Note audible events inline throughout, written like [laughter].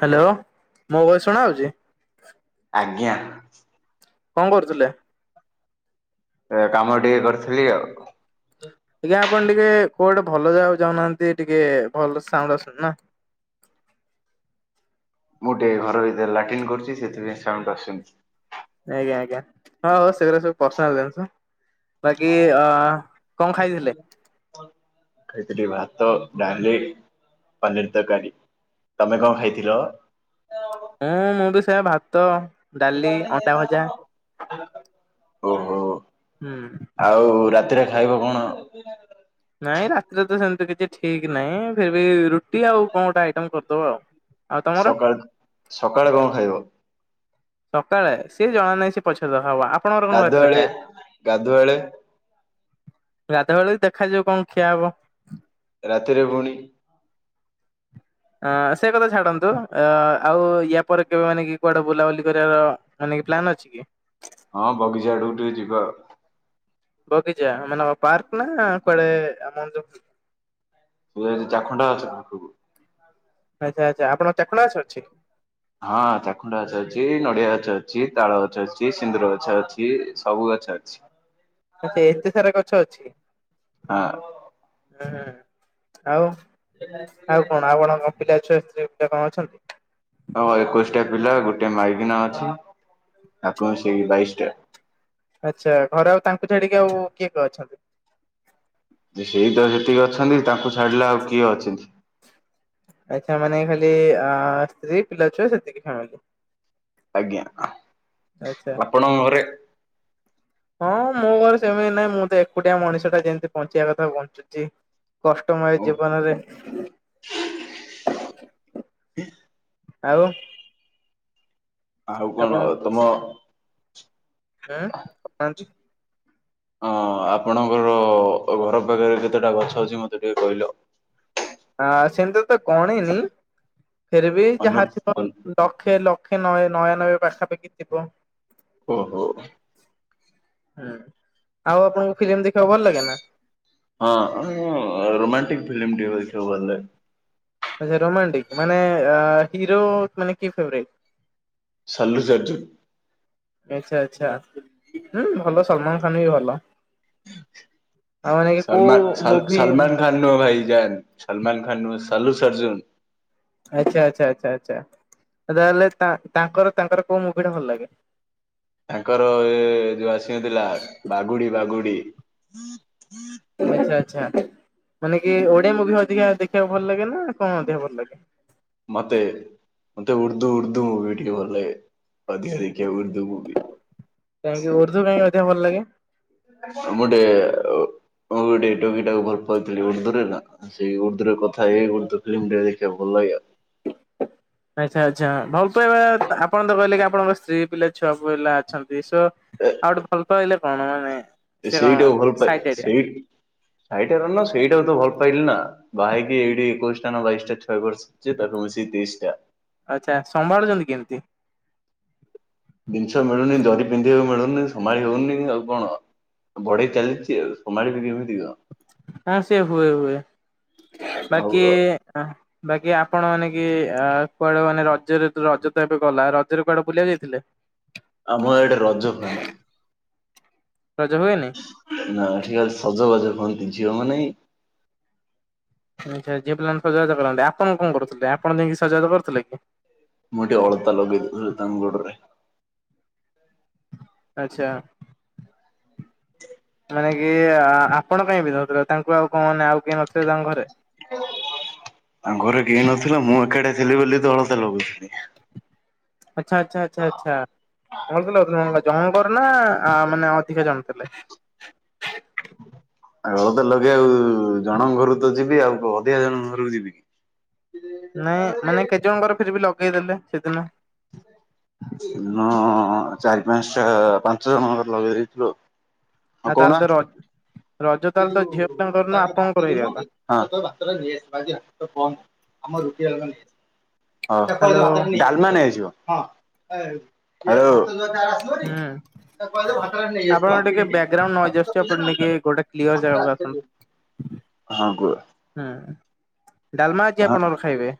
Hello ମୋ voice ଶୁଣା ହଉଚି। ଆଜ୍ଞା। କଣ କରୁଥିଲେ? ଏ କାମ ଟିକେ କରୁଥିଲି ଆଉ। ଆଜ୍ଞା ଆପଣ ଟିକେ କୋଉଟେ ଭଲ ଜାଗାକୁ ଯାଉନାହାନ୍ତି ଟିକେ ଭଲ ସାଉଣ୍ଡ ଆସୁନି ନା। ମୁଁ ଟିକେ ଘର ଭିତରେ ଲାଟିନ୍ କରୁଚି ସେଥିପାଇଁ ସାଉଣ୍ଡ ଆସୁନି। ଆଜ୍ଞା ଆଜ୍ଞା ହଁ ସେଗୁରାକ ସବୁ ପର୍ସନାଲ ଜିନିଷ। ବାକି ଆଁ କଣ ଖାଇଥିଲେ? ଖାଇଥିଲି ଭାତ ଡାଲି ପନିର ତରକାରୀ। ତମେ କଣ ଖାଇଥିଲ? ହଁ ମୁଁ ବି ସେଆ ଭାତ ଡାଲି ଅଣ୍ଡା ଭଜା। ଓହୋ। ହୁଁ। ଆଉ ରାତିରେ ଖାଇବ କଣ? ନାଇଁ ରାତିରେ ତ ସେମତି କିଛି ଠିକ ନାହିଁ ଫିର୍ବି ରୁ ଆଉ କଣ ଗୋଟେ ଆଇଟମ କରିଦବ ଆଉ ଆଉ ତମର? ସକାଳ ସକାଳେ କଣ ଖାଇବ? ସକାଳେ ସିଏ ଜଣା ନାହିଁ ସେ ପଛ ଦଖା ହବ। ଆପଣଙ୍କର କଣ କତିର ଗାଧୁଆଳେ ଖାଇବା? ଗାଧୁଆଳେ ଗାଧୁଆବେଳକୁ ଦେଖାଯିବ କଣ ଖିଆ ହବ। ରାତିରେ ଭୁଣି ଅ ସେ କଥା ଛାଡନ୍ତୁ ଅ ଆଉ ୟା ପରେ କେବେ ମାନେ କି କୁଆଡେ ବୁଲାବୁଲି କରିବାର ମାନେକ ପ୍ଲାନ୍ ଅଛି କି? ହଁ ବଗିଚା ଆଡୁକୁ ଟିକେ ଯିବା ଆଉ? ବଗିଚା ମାନେ ପାର୍କ ନା କୁଆଡେ ଆମ ଯୋଉ ହୁଏ ଚାଖଣ୍ଡା ଗଛ ପାଖକୁ। ଆଚ୍ଛା ଆଚ୍ଛା ଆପଣ ଚାଖୁଣ୍ଡା ଗଛ ଅଛି? ହଁ ଚାଖୁଣ୍ଡ ଗଛ ଅଛି ନଡିଆ ଗଛ ଅଛି ତାଳ ଗଛ ଅଛି ସିନ୍ଦୁର ଗଛ ଅଛି ସବୁ ଗଛ ଅଛି। ଆଚଛା ଏତେ ସାରା ଗଛ ଅଛି? ହଁ। ହୁଁ ଆଉ ଆଉ କଣ ଆପଣଙ୍କ ପିଲା ଛୁଆ ସ୍ତ୍ରୀ ପିଲା କଣ ଅଛନ୍ତି? ହଁ ଏକୋଇଶିଟା ପିଲା ଗୋଟେ ମାଇଗିନା ଅଛି ଆକୁ ମିସେଇକି ବାଇଶ ଟା। ଆଚ୍ଛା ଘରେ ଆଉ ତାଙ୍କୁ ଛାଡିକି ଆଉ କିଏ କିଏ ଅଛନ୍ତି? ଯେ ସେଇ ତ ସେତିକି ଅଛନ୍ତି ତାଙ୍କୁ ଛାଡିଲେ ଆଉ କିଏ ଅଛନ୍ତି? ଆଛା ମାନେ ଖାଲି ସ୍ତ୍ରୀ ପିଲା ଛୁଆ ସେତିକି ଥାଆନ୍ତି। ଆଜ୍ଞା ଆଚ୍ଛା। ଆପଣ ଘରେ? [inaudible] ହଁ ମୋ ଘରେ ସେମିତି ନହିଁ ମୁଁ ତ ଏକୁଟିଆ ମଣିଷ ଟା ଯେମିତି ବଞ୍ଚିବା କଥା ବଞ୍ଚୁଛି? କଷ୍ଟମୟ ଜୀବନରେ [inaudible] [inaudible] ଆଉ? ଆଉ କଣ ଆପଣଙ୍କ ତମ [unintelligible] ଅ ଆପଣଙ୍କର ଘର ପାଖରେ କେତେଟା ଗଛ ଅଛି ମତେ ଟିକେ କହିଲ? ଆ ସେମିତି ତ ଗଣିନି ଫେରବି ଅନୁ ଯାହାଥିବ। ଅନୁ ଲକ୍ଷେ ଲକ୍ଷେ ନହ ନୟା ନବେ ପାଖାପାଖି ଥିବ। ଓହୋ। ହୁଁ ଆଉ ଆପଣଙ୍କୁ ଫିଲ୍ମ ଦେଖିବାକୁ ଭଲ ଲାଗେ ନା? ହଁ ରୋମାଣ୍ଟିକ ଫିଲ୍ମ ଦେଖିବାକୁ ଭଲ ଲାଗେ। ଆା ରୋମାଣ୍ଟିକ ମାନେ ଆ ହିରୋ ମାନେ କି ଫେବ୍ରେଟ୍? ସଲୁଚର୍ଜୁନ୍। ଆଚ୍ଛା ଆଚ୍ଛା ହଁ ଭଲ ସଲମାନ ଖାନ ବି ଭଲ। ଆଉ ମାନ କି କୋଉ ମୁଭି? [unintelligible] ଭାଇଜାନ ସଲମାନ ଖାନନୁ ସଲୁ ସର୍ଜୁନ। ଆଚ୍ଛା ଆଚ୍ଛା ଆଚ୍ଛା ଆଚ୍ଛା ତାହେଲେ ତାଙ୍କର ତାଙ୍କର କୋଉ ମୁଗିଟା ଭଲ ଲାଗେ? ତାଙ୍କର ଉ ଯୋଉ ଆସିବ ଥିଲା ବାଘୁଡି ବାଘୁଡି ଆଚ୍ଛା ଆଚ୍ଛା ମାନେ କି ଓଡିଆ ମୁଭି ଅଧିକା ଦେଖିବାକୁ ଭଲ ଲାଗେ ନା କଣ ଅଧିକ ଭଲ ଲାଗେ? ମତେ? ମତେ ଉର୍ଦ୍ଦୁ ଉର୍ଦୁ ମୂଭି ଟିକେ ଭଲେ ଅଧିକ ଦେଖିବାକୁ ଉର୍ଦୁ ମୂଭି। କାଁକିଁ ଉର୍ଦ୍ଦ କାଇଁ ଅଧିକ ଭଲ ଲାଗେ? ମୁଁ ଗୋଟେ ଟୋକି ଟାକୁ ଭଲପାଉଥିଲେ ଉର୍ଦ୍ଦୁରେ। ସେଇ ଉର୍ଦ୍ଦୁରେ ର କଥା ଏଇ ଉର୍ଦ୍ଦୁ ଫିଲ୍ମ ଟରେ ଦେଖକୁ ଭଲ ଲାଗେ ଆଉ। ଆଚ୍ଛା ଆଚ୍ଛା ଭଲ ତ ଏବେ ଆପଣ ତ କହିଲେ କି ଆପଣଙ୍କ ସ୍ତ୍ରୀ ପିଲା ଛୁଆ ପିଲା ଅଛନ୍ତି। [inaudible] ଆଉ ଗୋଟେ ଭଲ ପାଇଲେ କଣ ମାନେ ସେ କଣ ସେଇଟାକୁ ଭଲ ପା ସାଇଟ୍ ଏରିଆ ସେଇ ସାଇଟି ର ନା ସେଇଟା କୁ ତ ଭଲ ପାଇଲି ନା, ବାହା ହେଇକି ଏଇଠି ଏକୋଇଶଟା ନା ବାଇଶଟା ଛୁଆ କରିଛି। ସିଏ ତ କହୁଛି ତେଇଶ ଟା। ଆଚ୍ଛା, ସମ୍ଭାଳୁଚନ୍ତି କେମିତି? ଜିନିଷ ମିଳୁନି ଜରି ପିନ୍ଧିବାକୁ ମିଳୁନି ସମ୍ଭାଳି ହଉନି, ଆଉ କଣ? ବଢେଇ ଚାଲିଚି ଆଉ ସମ୍ଭାଳିବି କେମିତି କଣ? ହଁ ସେ ହୁଏ ହୁଏ ଆଉ ବାକି ଆହଁ ବାକି ଆପଣ ମାନେ କି ଆ, କୁଆଡେ ମାନେ ରଜରେ ତୁ-ରଜ ତ ଏବେ ଗଲା ରଜରେ କୁଆଡେ ବୁଲିବାକୁ ଯାଇଥିଲେ? [unintelligible] ଆମ ଇଆଡେ ରଜ ହୁଏନା। ରଜ ହୁଏନି? ନା ଏଠି ଖାଲି ସଜବାଜ ହୁଅନ୍ତି ଝିଅ ମାନେ। ଆଚ୍ଛା, ଝିଅ ପିଲା ମାନେ ସଜବାଜ କରନ୍ତି, ଆପଣ କଣ କରୁଥିଲେ? ଆପଣ ଯାଇକି ସଜାବାଜ କରୁଥିଲେ କି? ମୁଁ ଟିକେ ଅଳତା ଲଗେଇ ଦୋଉଥିଲି ତାଙ୍କ ଗୋଡରେ। ଆଚ୍ଛା। [unintelligible] ମାନେ କି ଆପଣ କାଇଁ ପିଧଉଥିଲେ ତାଙ୍କୁ ଆଉ କଣ ମିନେ ଆଉ କେହି ନଥିଲେ ତାଙ୍କ ଘରେ? ତାଙ୍କ ଘରେ କେହି ନଥିଲେ, ମୁଁ ଏକାଟିଆ ଥିଲି ବୋଲି ତ ଅଳତା ଲଗୁଉଥିଲି। ଆଚ୍ଛା, ଆଚ୍ଛା, ଆଚ୍ଛା, ଆଚ୍ଛା ଅଳତା ଲଗେଇ ଦଉଥିଲେ, ଜଣଙ୍କର ନା ଆ, ମାନେ ଅଧିକା ଜଣ ଥିଲେ? ଆଉ ଅଳତା ତ ଲଗେଇ ଆଉ ଜଣଙ୍କ ଘରକୁ ତ ଯିବି ଆଉ କଣ ଅଧିକା ଜଣଙ୍କ ଘରକୁ ଯିବି କି? ନାଇଁ ମାନେ କେତେ ଜଣଙ୍କର ଫେର ବି ଲଗେଇଦେଲେ ସେଦିନ? ମୁଁ ଚାରି ପାନ୍ସଟା, ପାଞ୍ଚ ଜଣ ଙ୍କର ଲଗେଇ ଦେଇଥିଲି ଆଉ। ଆଉ ତାହେଲେ ତ ର ଏଇ ଯୋଉ ତା ଭାତ ଆପଣଙ୍କର [unintelligible] ହେଇଗଲା। କି? ହଁ, ହଉ। ହ୍ୟାଲୋ ଡାଲମା ନେଇ ଆସିବ ହେଲୋ। ହୁଁ, ଆପଣଙ୍କ ଟିକେ ବ୍ୟାକଗ୍ରାଉଣ୍ଡ ନଏଜ୍ ଆସୁଛି ଆପଣ ଟିକେ ଗୋଟେ କ୍ଲିୟର୍ ଜାଗାକୁ ଆସନ୍ତୁ ହଁ କୁହ ହୁଁ। ଡାଲମା ଆଜି ହଁ ଆପଣ ଖାଇବେ?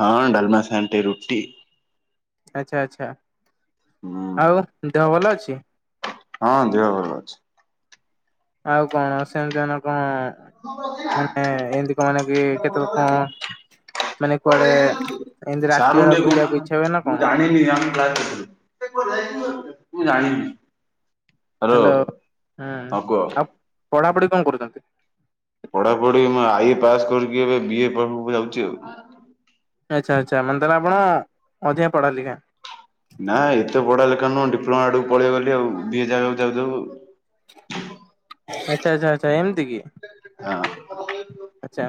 ହଁ ଡଲମା ସାଙ୍ଗରେ ଟିକେ ରୁଟି। ଆଚ୍ଛା, ଆଚ୍ଛା, ହୁଁ ଆଉ ଦେହ ଭଲ ଅଛି? ହଁ ଦେହ ଭଲ ଅଛି। ଆଉ କଣ ସେମିତି ହେନେ ଆଉ କଣ? ମାନେ ଏମିତି କଣ କି କେତେଳେ କଣ? ମାନେ କୁଆଡେ ଏମିତି ସାର୍ ରାତି ଙ୍କୁ ବେଳା ଟିକେ ବୁଲିବାକୁ କହୁନା ଇଚ୍ଛା ହୁଏ ନା କଣ? [unintelligible] [unintelligible] ମୁଁ ଜାଣିନି। ହ୍ୟାଲୋ, ହଁ, ଆଉ ପଢ଼ାପଢି କଣ କରୁଛନ୍ତି? ପଢାପଢି ମୁଁ ଆଇଏ ପାସ୍ କରିକି, ଏବେ ବିଏ ପାଖକୁ ଯାଉଛି ଆଉ। ଆଚ୍ଛା, ଆଚ୍ଛା ମାନେ ତାହେଲେ ଆପଣ ଅଧିକ ପଢା ଲେଖା। ନା ଏତେ ପଢା ଲେଖା ନୁହଁ ଡିପ୍ଲୋମା ଆଡକୁ ପଳେଇ ଗଲି ଆଉ, ବିଏ ଜାଗାକୁ ଯାଉ ଯାଉ ଆଚ୍ଛା, ଆଚ୍ଛା, ଆଚ୍ଛା ଏମିତି କି? ହଁ। ଆଚ୍ଛା,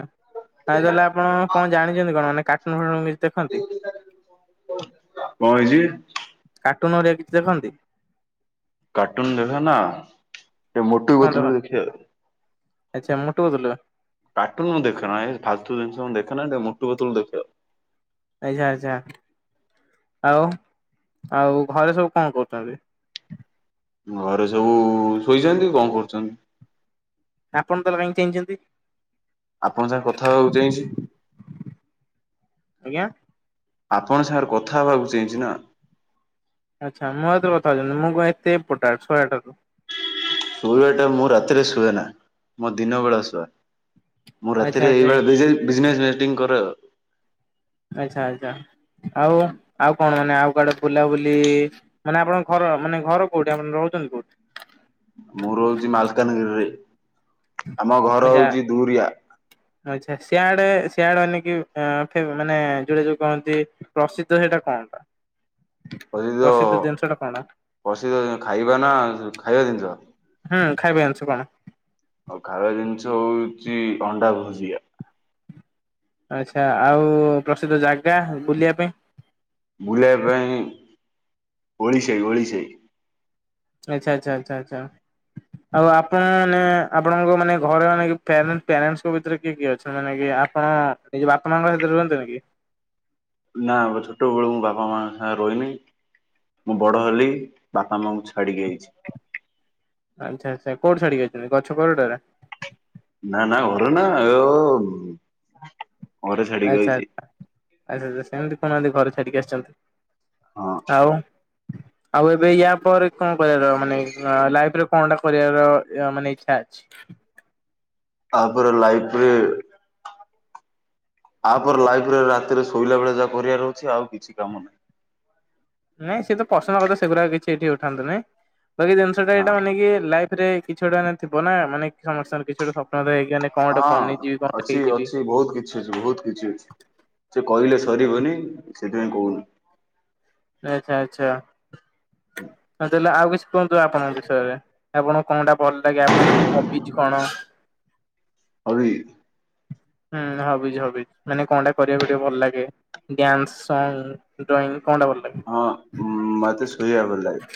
ଆଉ ତାହେଲେ ଆପଣ କଣ ଜାଣିଚନ୍ତି କଣ? ମାନେ କାର୍ଟୁନ୍ ଫାଟୁନ କି [unintelligible] କଣ ହେଇଛି? କାର୍ଟୁନ ହରିକା କିଛି ଦେଖନ୍ତି? କାର୍ଟୁନ ଦେଖନା ଏ ମୋଟୁ କଣ ପଟଲୁ ଦେଖନ୍ତି? ଦେଖିବା। ଆଚ୍ଛା ମୋଟୁ ପଟଲୁ। କାଟୁନ ମୁଁ ଦେଖେନ ଏଇ ଫାଲତୁ ଜିନିଷ ଦେଖେ ନା ଏ ମୂତୁ ପତୁଲୁ ଦେଖେ? ଆଚ୍ଛା ଆଚ୍ଛା ଆଉ ଆଉ ଘରେ ସବୁ କଣ କରୁଛନ୍ତି? ଘରେ ସବୁ ଶୋଇଛନ୍ତି କଣ କରୁଛନ୍ତି? ଆପଣ ତାହେଲେ କାହିଁ ଚେଇଁଛନ୍ତି? ଆପଣଙ୍କ ସାଙ୍ଗେ କଥା ହବାକୁ ଚେଇଁଛି? ଆଜ୍ଞା। ଆପଣଙ୍କ ସାଙ୍ଗରେ କଥା ହେବାକୁ ଚେଇଁଛି ନା? ଆଚ୍ଛା ମୋ ଏତ କଥାଉଛନ୍ତି ମୁଁ କ ଏତେ ଇମ୍ପୋଟାନ୍ଟ ଶହେଟୁ ଶୋଇବା ଟା ମୁଁ ରାତିରେ ଶୁଏ ନା ମୋ ଦିନ ବେଳା ଶୁଏ। ମୁଁ ଆଚ୍ଛା ରାତିରେ ଆଚ୍ଛା ଏଇ ଭିଜେ ଭଜନେଟିଂ କରେ ଆଉ। ଆଚ୍ଛା ଆଚ୍ଛା ଆଉ ଆଉ କଣ ମାନେ ଆଉ କୁଆଡେ ବୁଲାବୁଲି? ମାନେ ଆପଣଙ୍କ ଘର ମାନେ ଘର କୋଉଠି ଆପଣ ରହୁଛନ୍ତି କୋଉଠି? ମୁଁ ରହୁଛି ମାଲକାନଗିରିରେ ଆମ ଘର ହଉଛି ଦୁରିଆ। ଆଛା ସିଆଡେ ସିଆଡେକ ମାନେ ଯୋଉଟେ ଯୋଉ କହନ୍ତି ପ୍ରସିଦ୍ଧ ସେଇଟା କଣ ଟା? ପ୍ରସିଦ୍ଧ ଟା କଣ ଯୋଉପ୍ରସିଦ୍ଧ ଖାଇବା ନା ଖାଇବା ଜିନିଷ? ହୁଁ ଖାଇବା ଜିନିଷ କଣ? ଆଉ ଖାଇବା ଜିନିଷ ହଉଛି ଅଣ୍ଡା ଭୁଜିଆ। ଆଚ୍ଛା ଆଉ ପ୍ରସିଦ୍ଧ ଜାଗା ବୁଲିବା ପାଇଁ। ବୁଲେଇ ପାଇଁ ଓଳିଶେଇ ଓଳିଶେଇ। ଆଚ୍ଛା ଆଛା ଆଛା ଆଛା। ଆଉ ଆପଣ ମାନେ ଆପଣଙ୍କ ମାନେ ଘରେ ମାନେ ପ୍ୟାରେ ପ୍ୟଣ୍ଟଙ୍କ ଭିତରେ କିଏ କିଏ ଅଛନ୍ତି ମାନେ କି ଆପଣ ନିଜ ବାପା ମାଙ୍କ ସାହିତରେ ରୁହନ୍ତ ନି କି? ନା ଛୋଟ ବେଳୁ ମୁଁ ବାପା ମା ଙ୍କ ସାଙ୍ଗେ ରହିନି। ମୁଁ ବଡ଼ ହେଲି ବାପା ମାଙ୍କୁ ଛାଡ଼ିକି ଆଇଛି। ଆଚ୍ଛା ଆଚ୍ଛା କଉଠିଛାଡିକି ଆଇଛନ୍ତି ଗଛ କୋରଡରେ। ନା ନା ଘରେ ନା ଆ ଆଚ୍ଛା ଆ ଆଚ୍ଛା ଆଛା ସେମିତି କୁହୁନାହାନ୍ତି ଘରେ ଛାଡିକି ଆସିଛନ୍ତି। ହଁ। ଆଉ ଆଉ ଏବେ ୟା ପରେ କଣ କରିବାର ମାନେ ଲାଇଫ ରେ କଣଟା କରିବାର ମାନେ ଇଚ୍ଛା? [unintelligible] ତାପରେ ଲାଇଫରେ ତାପରେ ଲାଇଫ ରେ ରାତିରେ ଶୋଇଲା ବଳେ ଯାହା କରିବାର ଅଛି ଆଉ କିଛି କାମ ନାହିଁ। ନାଇଁ ସେ ତ ପର୍ସନାଲ କଥା ସେଗୁଡ଼ାକ କିଛି ଏଠି ଉଠାନ୍ତୁ ନାଇଁ ବାକି ଜିନିଷ ଟା ହଁ ଏଇଟା ମାନେ କି ଲାଇଫ୍ ରେ କିଛି ଗୋଟା ମାନ ଥିବ ନା ମାନେ ସମସ୍ତଙ୍କର ଗୋଟେ ସ୍ୱପ୍ନ ଥାଏକି ହଁ ଅଛି ଅଛି ବହୁତ କି କି ଅଛି ବହୁତ କିଛି ଅଛି ସେ କହିଲେ ସରିବନି ସେଥିପାଇଁ କହୁନି। ଆଚ୍ଛା ଆଚ୍ଛା ହ ତାହେଲେ ଆଉ କିଛି କୁହନ୍ତୁ ଆପଣଙ୍କ ବିଷୟରେ ଆପଣ କଣ ଟା ଭଲ ଲାଗେ ଆପଣଙ୍କ ହବିଜ କଣ? [unintelligible] ହୁଁ ହବିଜ୍ ହବିଜ୍ ମାନେ କଣଟା କରିବାକୁ ଟିକେ ଭଲ ଲାଗେ। ଡ୍ୟାନ୍ସ ସଙ୍ଗ ଡଇଂ କଣ ଟା ଭଲ ଲାଗେ? ହଁ ମତେ ଶୋଇବା ଭଲ ଲାଗେ।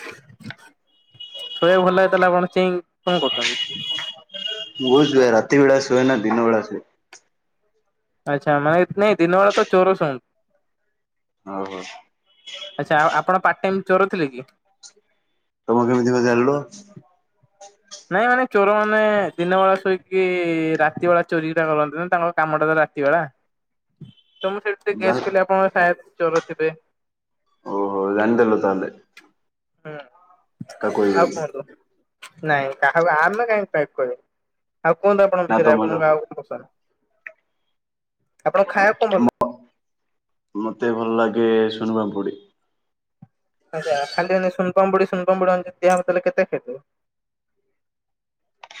ଶୋଇବା ଭଲ ଲାଗେ ତାହେଲେ ଆପଣ ଚେଇ କଣ କରୁଛନ୍ତି? ମୁଁ ସୁଏ ରାତି ବେଳା ସୁୁଏନା ଦିନବେଳା ଶୁଏ। ଆଚ୍ଛା ମାନେ ନାଇଁ ଦିନବେେଳେ ତ ଚୋର ଶୁଅ ହଉ ହଉ ଆଚ୍ଛା ଆଉ ଆପଣ ପାର୍ଟ ଟାଇମ ଚୋର ଥିଲେ କି? ତମେ କେମିତି ବେ ଜାଣିଲୁ? ନାଇଁ ମାନେ ଚୋର ମାନେ ଦିନ ବେଳା ଶୋଇକି ରାତି ବେଳା ଚୋରି ଟା କରନ୍ତି ନା ତାଙ୍କ କାମଟା ରାତି ବେଳା ତ ମୁଁ ସେଥିପାଇଁ ଗେସ୍ ଜାଣି କଲି ଆପଣଙ୍କ ସାୟାଦ ଚୋର ଥିବେ। ଓହ ଜଣିଦେଲୁ ତାହାଲେ। ହଁ କାକୁ କଇବନି। ନାଇଁ କାହାକୁ ଆମେ କାହିଁ କହିବୁ ଆଉ କୁହନ୍ତୁ ଆପଣଙ୍କ ନା ବିଷୟରେ ତମେ ଆପଣଙ୍କୁ କାହାକୁ ଆଉ କଣ ପସନ୍ଦ। ଆପଣଙ୍କୁ ଖାଇବାକୁ କଣ ଭଲ ଲାଗେ? ମ ମତେ ଭଲ ଲାଗେ ସୁନୁପାପୁଡି। ଆଚ୍ଛା ଖାଲି ହେଲେ ସୁନପାମୁଡି ସୁନପାମୁଡି ଦିଆ ହବ ତାହେଲେ କେତ ଖାଇଦବ।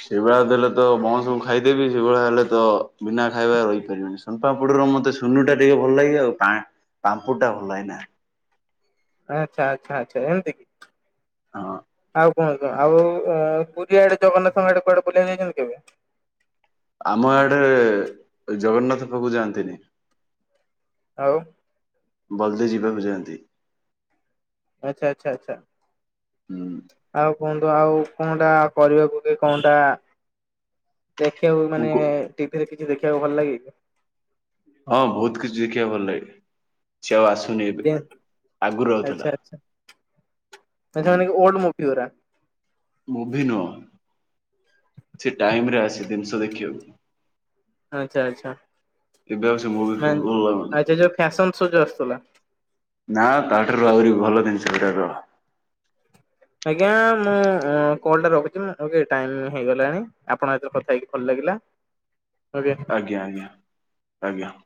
ସେଇଭଳିଆ ଦେଲେ ତ କଣ ବଂଶ କୁ ଖାଇଦେବି ସେଇଭଳିଆ ହେଲେ ତ ବିନା ଖାଇବାରେ ରହିପାରିବିନି। ସୁନ ପାପୁଡ଼ିର ମତେ ସୁନୁ ଟା ଟିକେ ଭଲ ଲାଗେ ଆଉ ପା ପାମ୍ପୁଟା ଭଲ ଲାଗେନା। ଆଚ୍ଛା ଆଚ୍ଛା ଆଚ୍ଛା ଏମିତି କି? ହଁ କଣ ଆଉ ପୁରୀଆଡେ ଜଗନ୍ନାଥଙ୍କ ଆଡେ କୁଆଡେ ବଲିବାକୁ ଯାଇଛନ୍ତି କେବେ? ଆମ ଆଡେ ଜଗନ୍ନାଥ ପାଖକୁ ଯାଆନ୍ତିନି। ଆଉ ବଲଦି ଯିବା ବି ଯାଆନ୍ତି। ଆଚଛା ଆଚଛା ହୁଁ ଆଚ୍ଛା ଆଉ କୁହନ୍ତୁ ଆଉ କଣଟା କରିବାକୁ କି କଣଟା ଦେଖିବାକୁ ମୁଁ ମାନେ କ ଟିଭିରେ କିଛି ଦେଖିବାକୁ ଭଲ ଲାଗେ। ହଁ ବହୁତ କିଛି ଦେଖିବାକୁ ଭଲ ଲାଗେ ସିଏ ଆଉ ଆସୁନି ଏବେ ଯେ ଆଗରୁ ଆଉଥିଲା। ହୁଁ ଦେଖିବାଲଗି ଓଲଡ ମ ମୁଭିିଗୁରା [unintelligible] ମୁଭି ନୁହ। ସେ ଟାଇମ ରେ ଆସେ ଜିନିଷ ଦେଖିବାକୁ। ଆଛା ଆଚ୍ଛା ଏବେ ଆଉ ସେ ମୁଭି ମ ଭଲ ଲାଗୁନି ଆଛା ଯୋଉ ଫ୍ୟାସନ ଶୋ ଯୋଉ ଆସୁଥିଲା। ନା ତାଠାରୁ ଆହୁରି ଭଲ ଜିନିଷ ଗୁଡା ର ଆଜ୍ଞା ମୁଁ କଲ ଟା ରଖୁଛି ମୋର ଟାଇମ୍ ହେଇଗଲାଣି ଆପଣଙ୍କ ସହିତ କଥା ହେଇକି ଭଲ ଲାଗିଲା। ଆଜ୍ଞା ଆଜ୍ଞା ଆଜ୍ଞା ଆଜ୍ଞା